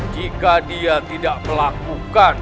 jika dia tidak melakukan